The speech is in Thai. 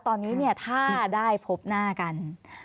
ตอนนี้เนี่ยถ้าได้พบหน้ากัน